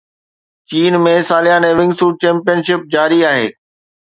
چين ۾ سالياني wingsuit championship جاري آهي